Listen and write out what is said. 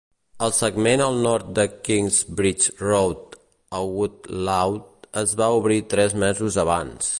El segment al nord de Kingsbridge Road a Woodlawn es va obrir tres mesos abans.